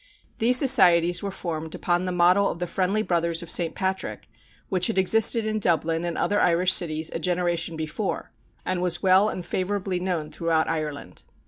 These societies were formed upon the model of the Friendly Brothers of St. Patrick, which had existed in Dublin and other Irish cities a generation before, and was well and favorably known throughout Ireland.